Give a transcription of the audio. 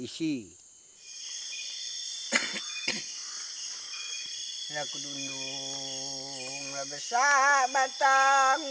kami ingatkan kepada tuhan